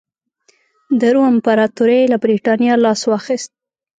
د روم امپراتورۍ له برېټانیا لاس واخیست.